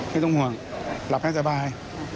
ไม่ต้องห่วงหลับให้สบาย